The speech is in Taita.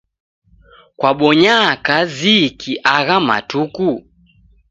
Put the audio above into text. Kwabonyaa kaziki agha matuku?